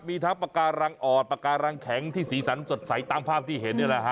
มีทั้งปากการังออดปากการังแข็งที่สีสันสดใสตามภาพที่เห็นนี่แหละฮ